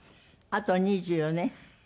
あと２４年？